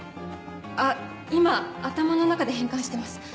あっ今頭の中で変換してます。